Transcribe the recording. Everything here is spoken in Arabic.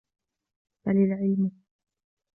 بَلْ الْعِلْمُ